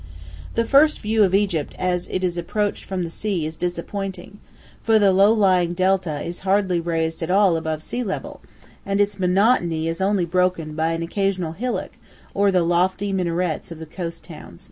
The first view of Egypt as it is approached from the sea is disappointing, for the low lying delta is hardly raised at all above sea level, and its monotony is only broken by an occasional hillock or the lofty minarets of the coast towns.